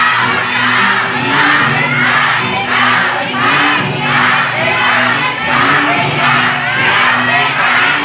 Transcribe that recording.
อาวุฒาอาวุฒาอาวุฒา